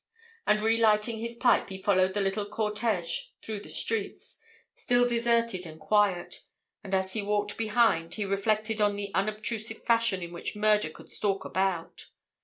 And re lighting his pipe he followed the little cortège through the streets, still deserted and quiet, and as he walked behind he reflected on the unobtrusive fashion in which murder could stalk about.